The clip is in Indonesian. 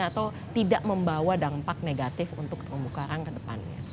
atau tidak membawa dampak negatif untuk kerumbu karang kedepannya